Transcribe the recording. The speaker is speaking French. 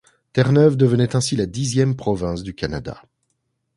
Terre-Neuve devenait ainsi la dixième province du Canada.